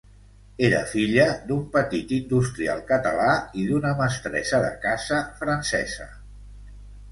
Era filla d'un petit industrial català i d'una mestressa de casa francesa.